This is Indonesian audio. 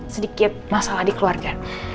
sedikit masalah di keluarga